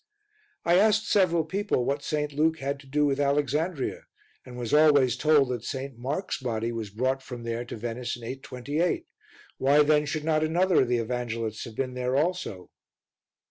I asked several people what St. Luke had to do with Alexandria, and was always told that St. Mark's body was brought from there to Venice in 828, why then should not another of the Evangelists have been there also?